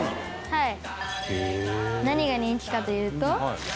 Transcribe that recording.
「はい」